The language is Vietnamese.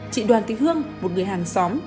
chị đoàn tích hương một người hàng xóm